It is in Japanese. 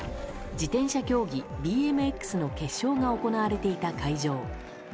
自転車競技ＢＭＸの決勝が行われていた会場。